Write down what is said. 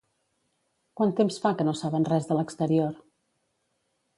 Quant temps fa que no saben res de l'exterior?